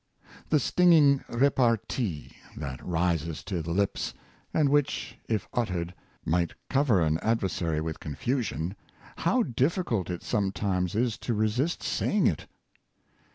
The stinging repartee that rises to the lips, and which, if uttered, might cover an adversary with confusion, how difficult it sometimes is to resist saying it